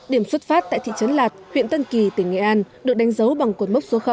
điểm xuất phát tại thị trấn lạt huyện tân kỳ tỉnh nghệ an được đánh dấu bằng cột mốc số